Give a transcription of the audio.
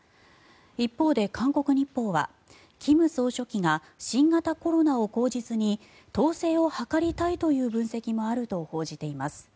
一方で韓国日報は金総書記が新型コロナを口実に統制を図りたいという分析もあると報じています。